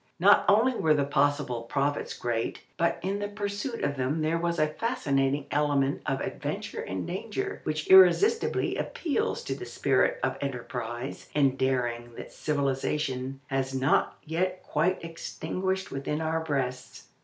Not only were the possible profits great, but in the pursuit of them there was a fascinating element of adventure and danger, which irresistibly appeals to the spirit of enterprise and daring that civilization has not yet quite extinguished within our breasts.